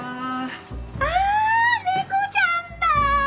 あ猫ちゃんだ。